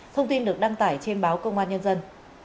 thông tin được đăng tải trên báo công an nhân dân